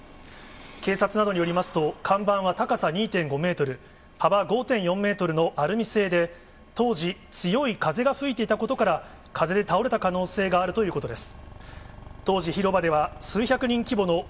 警察などによりますと、看板は高さ２．５メートル、幅５．４メートルのアルミ製で、当時、強い風が吹いていたことから、風で倒れた可能性があるということです。